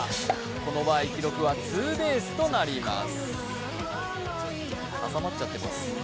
この場合、記録はツーベースとなります。